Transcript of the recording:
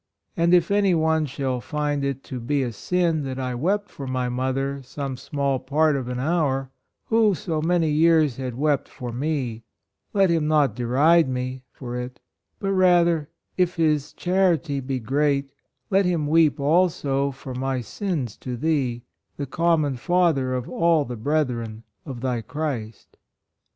... And if any one shall find it to be a sin that I wept for my mother some small part of an hour, who so many years had wept for me, let him not deride me for it, but rather, if his charity be great, let him weep also for my sins to Thee, the common Father of all the brethren of thy Christ."